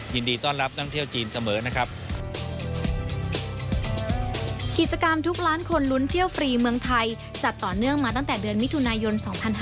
หลักล้านคนลุ้นเที่ยวฟรีเมืองไทยจัดต่อเนื่องมาตั้งแต่เดือนมิถุนายน๒๕๕๘